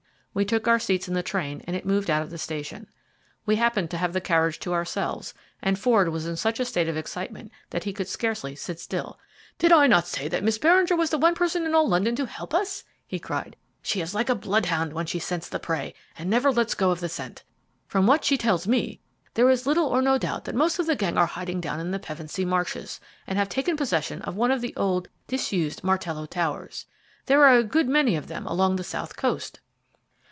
We took our seats in the train and it moved out of the station. We happened to have the carriage to ourselves, and Ford was in such a state of excitement that he could scarcely sit still. "Did I not say that Miss Beringer was the one person in all London to help us?" he cried. "She is like a bloodhound when she scents the prey, and never lets go of the scent. From what she tells me, there is little or no doubt that most of the gang are hiding down in the Pevensey Marshes, and have taken possession of one of the old, disused Martello towers. There are a good many of them along the south coast."